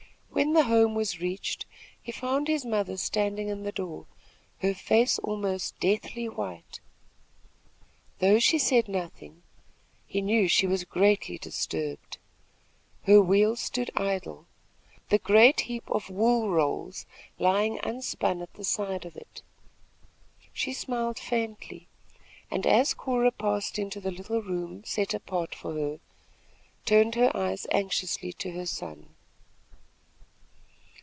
When the home was reached, he found his mother standing in the door, her face almost deathly white. Though she said nothing, he knew she was greatly disturbed. Her wheel stood idle, the great heap of wool rolls lying unspun at the side of it. She smiled faintly and, as Cora passed into the little room set apart for her, turned her eyes anxiously to her son.